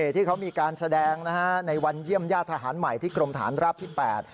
ที่เขามีการแสดงในวันเยี่ยมญาติทหารใหม่ที่กรมฐานราบที่๘